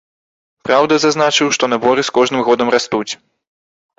Праўда, зазначыў, што наборы з кожным годам растуць.